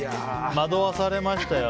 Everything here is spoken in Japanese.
惑わされましたよ。